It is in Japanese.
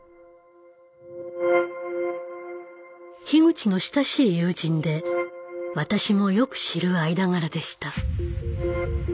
樋口の親しい友人で私もよく知る間柄でした。